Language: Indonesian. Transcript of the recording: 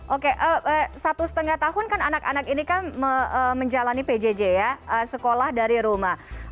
oke satu setengah tahun kan anak anak ini kan menjalani pjj ya sekolah dari rumah